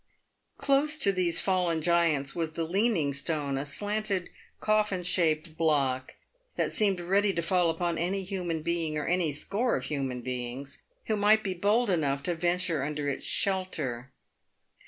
Close to these fallen giants was the leaning stone, a slanting coffin shaped block, that seemed ready to fall upon any human being, or any score of human beings, who might be bold enough to venture under its shelter.